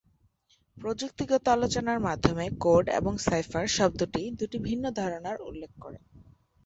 প্রযুক্তিগত আলোচনার মধ্যে, "কোড" এবং "সাইফার" শব্দটি দুটি ভিন্ন ধারণার উল্লেখ করে।